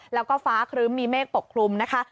แล้วก็ฟ้าครึ้มมีเมฆปกคลุมนะคะ